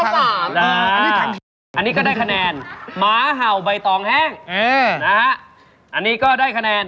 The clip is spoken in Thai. มะแรงเม่าบินเข้ากองฟาง